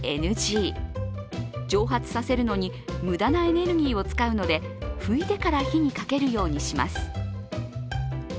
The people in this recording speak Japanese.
蒸発させるのに無駄なエネルギーを使うので拭いてから火にかけるようにします。